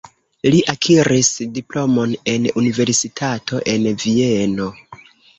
Li akiris diplomon en universitato en Vieno.